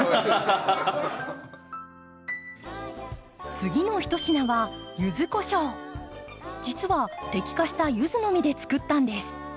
次の一品はじつは摘果したユズの実で作ったんです。